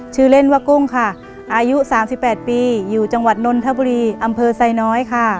ชื่อเล่นว่ากุ้งค่ะอายุ๓๘ปีอยู่จังหวัดนนทบุรีอำเภอไซน้อยค่ะ